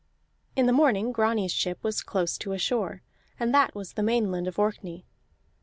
In the morning Grani's ship was close to a shore, and that was the Mainland of Orkney.